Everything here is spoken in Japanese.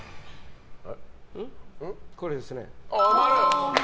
これですね。